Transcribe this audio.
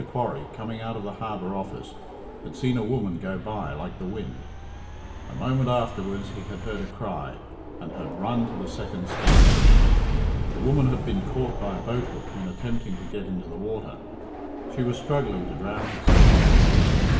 Quarry, coming out of the harbour office, had seen a woman go by like the wind. A moment afterwards he had heard a cry, and had run to the second steps. The woman had been caught by a boathook in attempting to get into the water. She was struggling to drown herself.